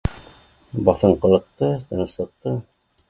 Баҫынҡылыҡты, тыныслыҡты